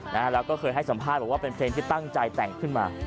แล้วก็เคยให้สัมภาษณ์บอกว่าเป็นเพลงที่ตั้งใจแต่งขึ้นมา